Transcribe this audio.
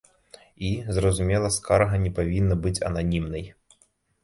І, зразумела, скарга не павінна быць ананімнай.